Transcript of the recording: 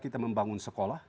kita membangun sekolah